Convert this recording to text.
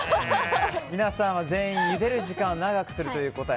皆さんは全員ゆでる時間を長くするという答え。